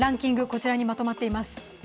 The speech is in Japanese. こちらにまとまっています。